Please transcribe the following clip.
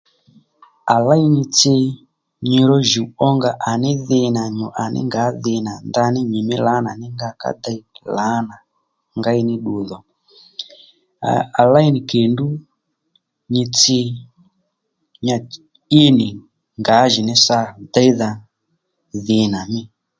À léy nyi tsi nyi ró jǔw ónga à ní dhi nà nyo ngǎ dhi nà ndaní nyìmí lǎnà ní nga ká dey lǎnà ngéy ní ddu dhò à léy nì kèndú nyi tsi ní yà í nì ngǎjìní sâ déydha dhi nà mî